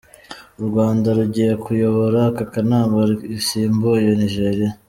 U Rwanda rugiye kuyobora aka kanama rusimbuye Nigeria.